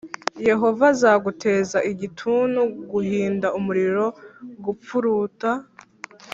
yehova azaguteza igituntu,+ guhinda umuriro, gupfuruta,